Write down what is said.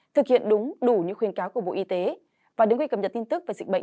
thực hiện đúng đủ những khuyên cáo của bộ y tế và đứng khi cập nhật tin tức về dịch bệnh